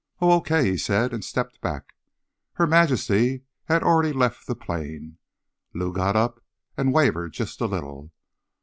"Oh, okay," he said, and stepped back. Her Majesty had already left the plane. Lou got up, and wavered just a little.